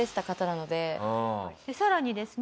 さらにですね